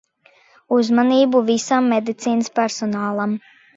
Uzmanību visam medicīnas personālam.